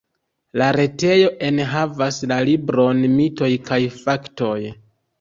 La retejo enhavas la libron Mitoj kaj Faktoj.